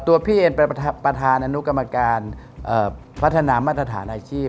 พี่เองเป็นประธานอนุกรรมการพัฒนามาตรฐานอาชีพ